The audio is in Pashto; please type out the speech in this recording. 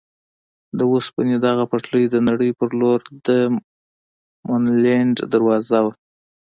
د اوسپنې دغه پټلۍ د نړۍ په لور د منډلینډ دروازه وه.